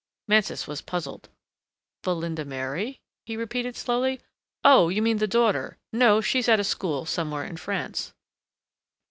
Mansus was puzzled. "Belinda Mary?" he repeated slowly. "Oh, you mean the daughter. No, she's at a school somewhere in France."